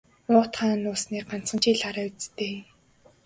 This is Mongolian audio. Уут хаана нуусныг ганцхан чи л хараа биз дээ.